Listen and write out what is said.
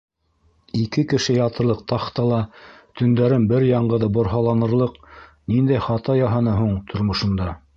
Ике кеше ятырлыҡ тахтала төндәрен бер яңғыҙы борһа- ланырлыҡ ниндәй хата яһаны һуң тормошонда?